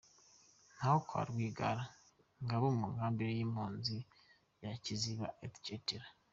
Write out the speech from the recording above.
Ntaho kwa Rwigara: Ngabo munkambi yimpuzi ya Kiziba : etc…..